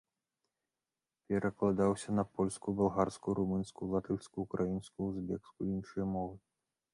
Перакладаўся на польскую, балгарскую, румынскую, латышскую, украінскую, узбекскую і іншыя мовы.